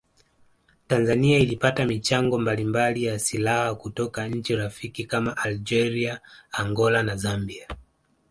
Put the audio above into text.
Tanzani ilipata michango mbalimbali ya silaha kutoka nchi rafiki kama Algeria Angola na Zambia